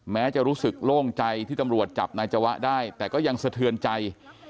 แม้จะรู้สึกโล่งใจที่ตำรวจจับนายจวะได้แต่ก็ยังสะเทือนใจ